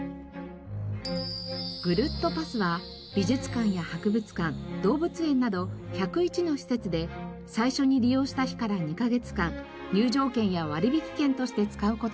ぐるっとパスは美術館や博物館動物園など１０１の施設で最初に利用した日から２カ月間入場券や割引券として使う事ができます。